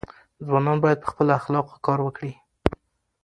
ځوانان باید په خپلو اخلاقو کار وکړي.